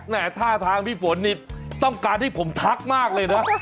ท่าทางพี่ฝนนี่ต้องการให้ผมทักมากเลยนะ